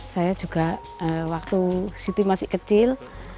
saya juga waktu siti masih kecil